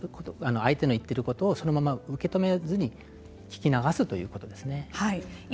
相手の言っていることを受け止めずに聞き流すということです。